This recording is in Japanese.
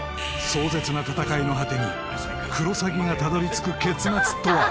壮絶な闘いの果てにクロサギがたどり着く結末とは？